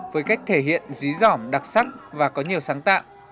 với cách thể hiện dí dỏm đặc sắc và có nhiều sáng tạo